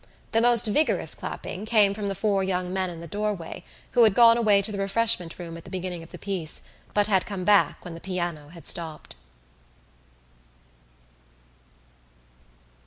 The most vigorous clapping came from the four young men in the doorway who had gone away to the refreshment room at the beginning of the piece but had come back when the piano had stopped.